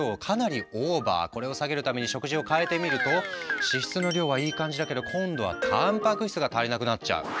これを下げるために食事を変えてみると脂質の量はいい感じだけど今度はたんぱく質が足りなくなっちゃう。